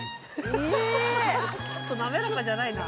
ちょっと滑らかじゃないな。